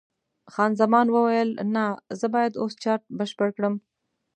خان زمان وویل: نه، زه باید اوس چارټ بشپړ کړم.